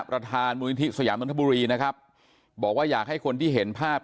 ประธานมูลนิธิสยามนทบุรีนะครับบอกว่าอยากให้คนที่เห็นภาพ